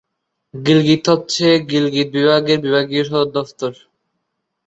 গিলগিত হচ্ছে গিলগিত বিভাগের বিভাগীয় সদর দপ্তর।